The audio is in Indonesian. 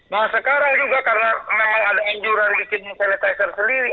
nah sekarang juga karena memang ada anjuran bikin sanitizer sendiri